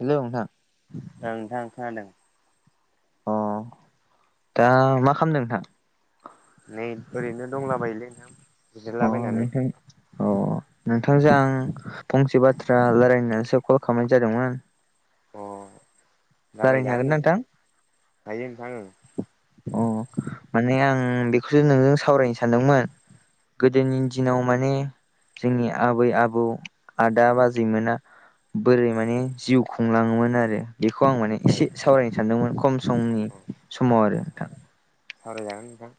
Hello नोंथां। ओं नोंथां खोनादों। अ दा मा खालामदों नोंथां। नै ओरैनो दंलाबायोलै नोंथां। बिजिरलाबायनानै [unintelligible] अ नोंथांजों आं फंसे बाथ्रा रायलायनोसो कल खालामनाय जादोंमोन। अ रायलाय रायलायनो जागोन हागोन ना नोंथां थायो नोंथां ओं। अ माने आं बेखौसो नोंजों सावरायनो सानदोंमोन। गोदोनि दिनाव माने जोंनि आबै आबौ आदा बाजैमोना बोरै माने जिउ खुंलाङोमोन आरो बेखौ आं माने एसे सावरायनो सानदोंमोन खम समनि औ समाव आरो नोंथां। सावरायजागोन नोंथां।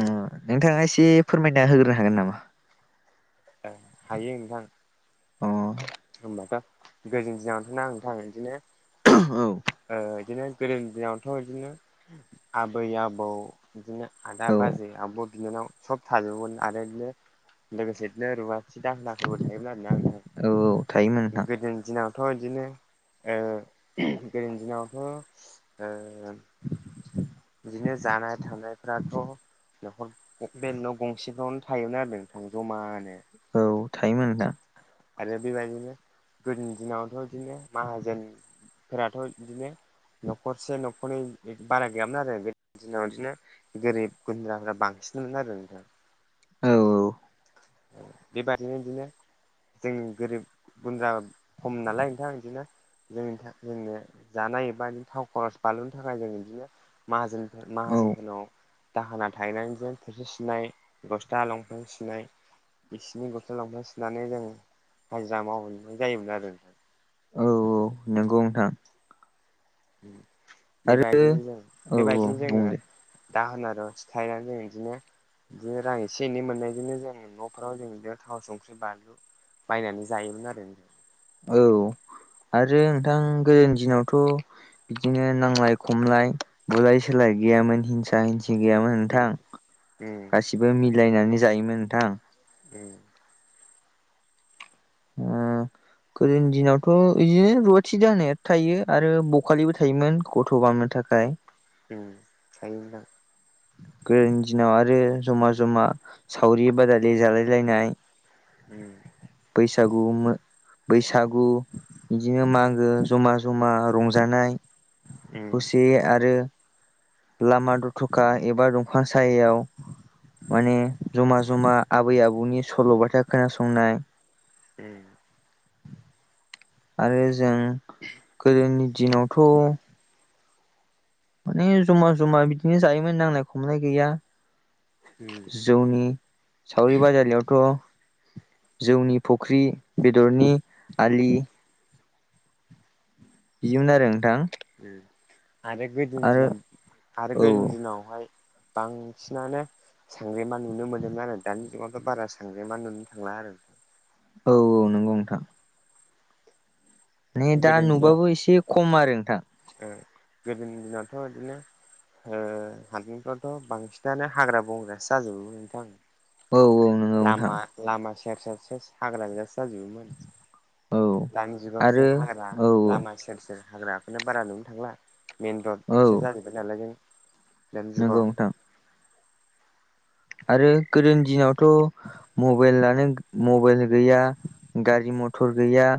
ओं नोंथाङा एसे फोरमायना होग्रोनो हागोन नामा। औ हायो नोंथां। अ। होमबाथ' [unintelligible] बिदिनो। औ। ओ बिदिनो गोदोनि दिनावथ' बिदिनो आबै आबौ बिदिनो आदा औ बाजै आब' बिनानाव सब थाजोबोमोन आरो बिदिनो। लोगोसे बिदिनो रुवाथि दाहोना फोरबो थायोमोन आरोना औ थायोमोन नोंथां [unintelligible] गोदोनि दिनाव। थ' बिदिनो ओ गोदोनि दिनावथ' ओ बिदिनो जानाय थानायफ्राथ' [unintelligible] बे न' गंसेफ्रावनो थायोमोन आरो नोंथां जमानो। औ थायोमोन [unintelligible] आरो बेबायदिनो गोदोनि दिनावथ' बिदिनो माहाजोनफोराथ' बिदिनो न'खरसे न'खरनै बारा गैयामोन आरो गोदोनि दिनाव बिदिनो गोरिब गुन्द्राफ्रा बांसिनमोन आरो नोंथां। औ [unintelligible] जोंनि गोरिब गुन्द्रा खम नालाय नोंथां बिदिनो जोंनि थाखाय जोंनो जानाय बा बिदिनो थाव खरस बानलुनि थाखाय जों बिदिनो माहाजोनफोर औ माहाजोनफोरनाव दाहोना थाहैनानै [unintelligible] थोरसि सुनाय गस्ला लंपेन [unintelligible] बिसिनि गस्ला लंपेन सुनानै जों हाजिरा मावहैनाय जायोमोन आरो। औ औ नंगौ नोंथां। आरो बेबायदिनो औ औ [unintelligible] बुं जोङो दे दाहोना रुवाथि थाहैनानै जों बिदिनो बिदिनो रां एसे एनै मोननायजोंनो जों न'फ्राव जों बिदिनो थाव संख्रि बानलु बायनानै जायोमोन आरो। औ आरो नोंथां गोदोनि दिनावथ' बिदिनो नांलाय खमलाय बुलाय सोलाय गैयामोन हिंसा हिं [unintelligible] गैयामोन उम नोंथां उम गासिबो मिलायनानै जायोमोन नोंथां। उम। ओ गोदोनि दिनावथ बिदिनो रुवाथि दाहोनाया थायो आरो बखालिबो थायोमोन। गथ बामनो थाखाय। ओम थायो नोंथां। गोदोनि दिना आरो जमा-जमा सावरि-बादालि जालाय लायनाय उ बैसागु मो बैसागु बिदिनो मागो जमा-जमा रंजानाय उम खौसेयै आरो लामा दथ'खा एबा दंफां सायायाव माने जमा-जमा आबै आबौनि सल'बाथा खोनासंनाय। उ आरो जों गोदोनि दिनावथ' माने जमा-जमा बिदिनो जायोमोन नांलाय खमलाय गैया। होम जौनि सावरि बाजालियावथ जौनि फुख्रि, बेदरनि आलि बिदिमोन आरो नोंथां। उम आरो गोदोनि आरो दिनाव आरो औ गोदोनि दिनावहाय बांसिनानो सांग्रेमा नुनो मोनोमोन आरो दानि जुगावथ बारा सांग्रेमा नुनो थांला आरो। औ औ नंगौ नोंथां बुदा गोदोनि दिनाव नुबाबो एसे खम आरो नोंथां। ओ गोदोनि दिनाथ बिदिनो हो हादानफ्रावथ बांसिनानो हाग्रा-बंग्रासो जाजोबोमोन नोंथां। औ औ नंगौ नोंथां लामा-लामा सेर-सेर सेस हाग्रा गोजासो जाजोबोमोन। औ दानि जुगावसो आरो हाग्रा औ लामा सेर-सेर हाग्राखौनो बारा नुनो थांला। औ मेनरडसो जाजोबाय नालाय जों दानि नंगौ जुगाव। नोंथां आरो गोदोनि दिनावथ मबाइलानो मबाइल गैया, गारि मथर गैया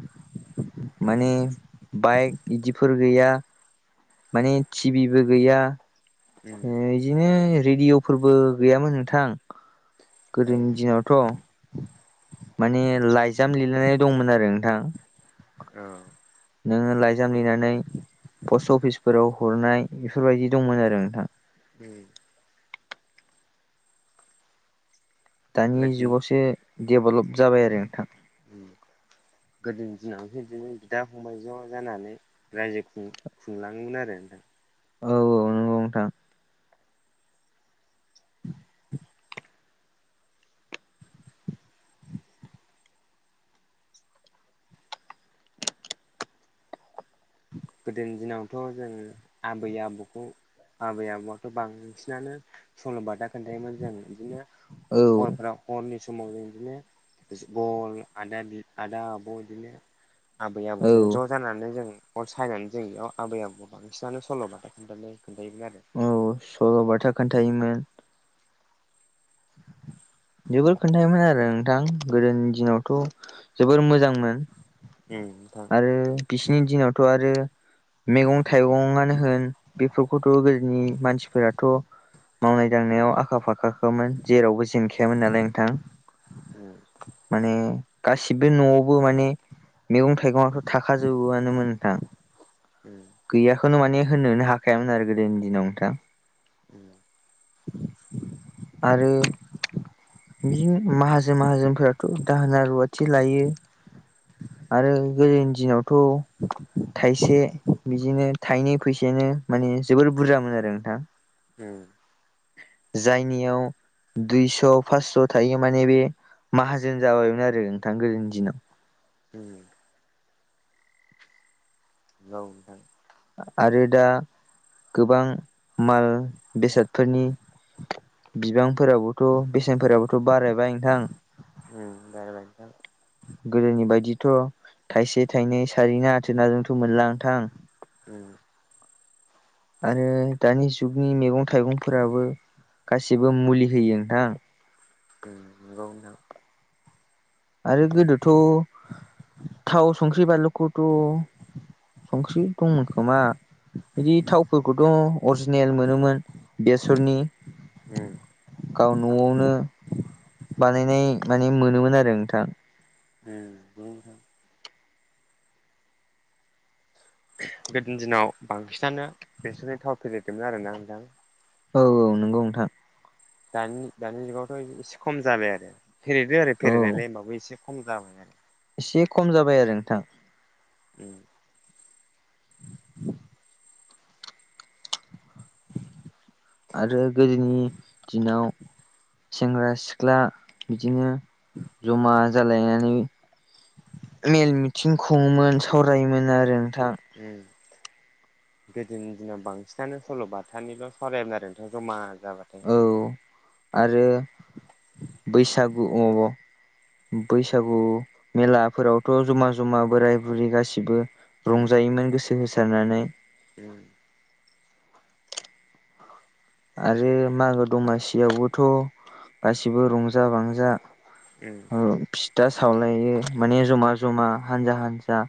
उम माने बाइक इदिफोर गैया। माने टिभिबो गैया उम ओ इदिनो रेडियफोरबो गैयामोन नोंथां औ गोदोनि दिनावथ'। माने लाइजाम लिरलायनाय दंमोन आरो नोंथां। औ नोङो लाइजाम लिरनानै पस्ट अफिसफोराव हरनाय बेफोरबायदि दंमोन आरो नोंथां। ओम दानि गोदोनि जुगावसो डेभलप जाबाय आरो नोंथां। उम गोदोनि दिनावसो बिदिनो बिदा-फंबाय ज' जानानै रायजो खुं खुंलाङोमोन आरो नोंथां। औ औ नोंगौ नोंथां। [inaudible] [inaudible] गोदोनि दिनावथ' जों आबै-आबौखौ आबै-आबौआथ' बांसिनानो सल' बाथा खोन्थायोमोन जों इदिनो औ हरफोराव। हरनि समाव जों बिदिनो गल आदादि आदा-आब' इदिनो औ आबै-आबौजों ज' जानानै जों अर सायनानि जिरायनायाव आबै-आबौआव बांसिनानो सल' बाथा खोन्थानो खोन्थायोमोन आरो। सल' बाथा खोन्थायोमोन। [inaudible] [inaudible] जोबोर खोन्थायोमोन आरो नोंथां गोदोनि दिनावथ' जोबोर मोजांमोन। उम नों ओ बिसिनि दिनावथ' आरो मैगं-थाइगंआनो होन बेफोरखौथ' गोदोनि मानसिफोरा थ मावनाय-दांनायाव आखा-फाखााखामोन जेरावबो जेन खायामोन नालाय नोंथां। उम नोंथां उम माने गासिबो न'आवबो माने मैगं थाइगङाथ' थाखाजोबोआनोमोन खा। उम। गैयाखौनो माने होनोनो हाखायामोन आरो गोदोनि दिनाव नोथां। उम आरो बिदिनो माहाजोन माहाजोनफोराथ' दाहोना रुवाथि लायो। आरो गोदोनि दिनावथ' थाइसे बिदिनो थाइनै फैसायानो माने जोबोर बुरजामोन आरो नोंथां। उम। जायनियाव दुइस' फास्स' थायो माने बे माहाजोन जाबायमोन आरो नोंथां गोदोनि दिनाव। उम। औ नोंथां। आरो दा गोबां माल बेसादफोरनि बिबांफोराबोथ' बेसेनफोराबोथ' बारायबाय नोंथां। उम बा [unintelligible] गोदोनि बायदिथ' थाइसे थाइनै सारैना आथोनाजोंथ' मोनला‌ नोंथां। उम। आरो दानि जुगनि मैगं थाइगंफोराबो गासिबो मुलि होयो नोंथां। उम नंगौ नोंथां। आरो गोदोथ' थाव संख्रि बानलुखौथ' संख्रि दंमोन खोमा। बिदि थावफोरखौथ' अरजिनेल मोनोमोन बेसरनि। उम गाव न'आवनो बानायनाय माने मोनोमोन आरो नोंथां। उम [unintelligible] गोदोनि दिनाव बांसिनानो बेसरनि थाव फेरेददोंमोन आरोना नोंथां। औ औ नंगौ नोंथां। दानि दानि जुगावथ' एसे खम जाबाय आरो फेरेदो आरो औ फेरेनायलाय होमबाबो एसे खम जाबाय आरो। एसे खम जाबाय आरो नोंथां। उम। आरो गोदोनि दिनाव सेंग्रा सिख्ला बिदिनो जमा जालायनानै मेल मिथिं खङोमोन सावरायोमोन आरो नोंथां। उम गोदोनि दिनाव बांसिनानो सल' बाथानिल' सावरायायोमोन आरो नोंथ' जमा जाबाय। औ आरो बैसागु अ बैसागु मेलाफोरावथ' जमा जमा बोराय बुरि गासिबो उम रंजायोमोन गोसो होसारनानै। [unintelligible] औ आरो मागो दमासियावबोथ' गासिबो रंजा बांजा औ। ओ फिथा सावलायो माने जमा जमा हानजा हानजा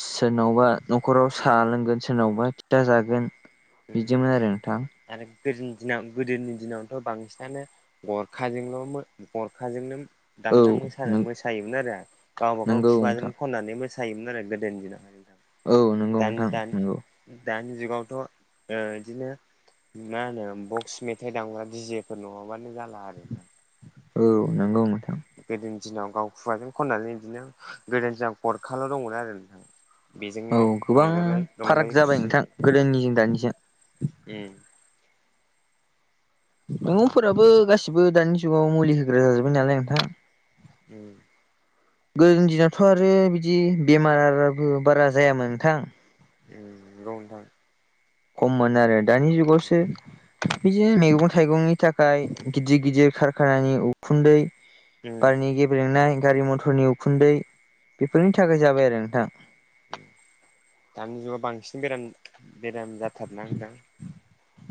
सोरनावबा न'खराव साहा लोंगोन सोरनावबा फिथा जागोन। उम बिदिमोन आरो नोंथां। आरो गोनि दिनाव गोदोनि दिनावनोथ' बांसिनानो गरखाजोंल' गरखाजोंनो औ दामना मो मोसायोमोन आरो गावबागाव नंगौ नोंथां खुगाजों खननानै मोसायोमोन आरो गोदोनि दिनाव। औ नंगौ नोंथां नंगौ। दानि जुगावथ'ओ बिदिनो मा होनो बक्स मेथाइ दामग्रा दिडिजेफोर नङाबानो जाला आरो औ नंगौ नोंथां गोदोनि दिनाव गाव खुवाजों खननानै बिदिनो गोदोनि दिनाव गरखाल' दंमोन आरो नोंथां। औ बेजोंनो गोबां रंजालाय फाराग रंजायै जाबाय खुसि नोंथां गोदोनिजों दानिजों उ मैगंफोराबो गासिबो दानि जुगाव मुलि होग्रा जाजोब्बाय नालाय नोंथां। उ गोदोनि दिनावथ' आरो बिदि बेमारबो बारा जायामोन नोंथां। ओ नोंगौ नोंथां खममोन आरो दानि जुगावसो बिदिनो मैगं-थाइगंनि थाखाय गिदिर गिदिर खारखानानि उखुन्दै उम बारनि गेब्रेंनाय गारि मथरनि उखुन्दै बेफोरनि थाखाय जाबाय आरो नोंथां। दानि जुगाव बांसिन बेराम बेराम जाथारना नोंथां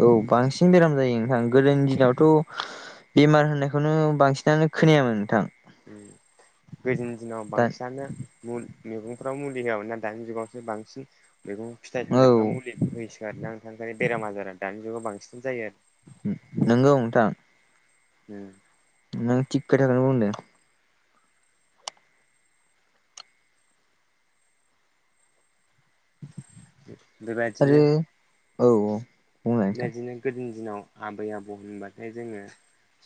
औ बांसिन बेराम जायो नोंथां गोदोनि दिनावथ' बेमार होननायखौनो बांसिनानो खोनायामोन नोंथां गोदोनि दिनाव दा बांसिनानो मैगंफ्राव मुलि होआमोनोन ना दानि जुगावसो बांसिन मैगं फिथाइ औ सामथाइफाव मुलि होयोसै [unintelligible] बेराम आजारा दानि जुगाव बांसिन जायो आरो नंगौ नोंथां ए नों थिक खोथाखौनो बुंदों। बेबायदिनो आरो औ औ बुंनाय बेबायदिनो गोदोनि दिनाव आबै आबौ होनबाथाय जोङो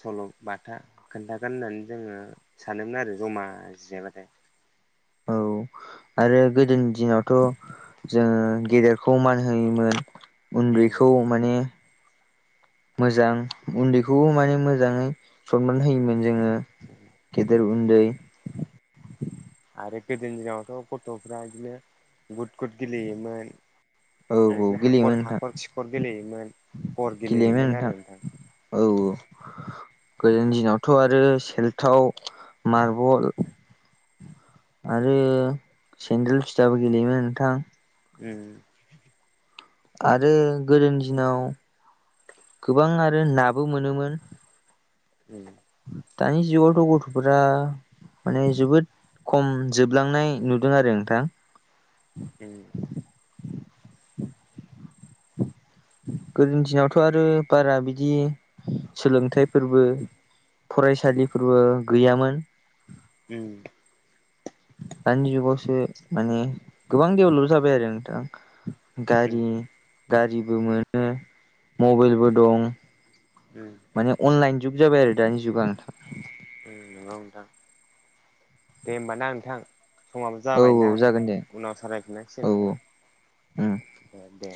सल' बाथा खोन्थागोन होननानै जोङो सानोमोन आरो जमा जिरायबाथाय औ आरो गोदोनि दिनावथ' जोङो गेदेर खौ मान होयोमोन उन्दैखौ माने मोजां उन्दैखौबो माने मोजाङै सनमान होयोमोन जोङो गेदेर उन्दै आरो गोदोनि दिनावथ' गथ'फ्रा बिदिनो गुद गुद गेलेयोमोन औ आरोदि गेलेयोमोन हाखर नोंथां हाखर सिखर गेलेयोमोन। गेलेयोमोन नोंथां औ गोदोनि दिनावथ' आरो सेल्थाव मारबल आरो सेन्देल फिथाबो गेलेयोमोन नोंथां उ आरो गोदोनि दिनाव गोबां आरो नाबो मोनोमोन। उम दानि जुगावथ' गथ'फोरा माने जोबोद खम जोबलांनाय नुदों आरो नोंथां उ गोदोनि दिनावथ' आरो बारा बिदि सोलोंथाइफोरबो फरायसालिफोरबो गैयामोन। उ दानि जुगावसो माने गोबां दडेभेलप जाबाय आरो नोंथां। गारि गारिबो मोनो मबाइलबो दं। उ माने अनलाइन जुग जाबाय आरो दानि जुगा उ नंगौ नोंथां दे होमबाना नोंथां समाबो औ जाबायना औ नोंथां जागोन दे उनाव सावराय फिननांसिगोन औ औ नोंथां उम अ दे